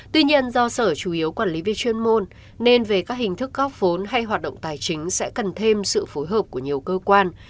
tuy nhiên do sở chủ yếu quản lý về chuyên môn nên về các hình thức góp vốn hay hoạt động tài chính sẽ cần thêm sự phối hợp của nhiều cơ quan